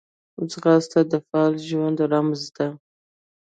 ځغاسته د فعال ژوند رمز ده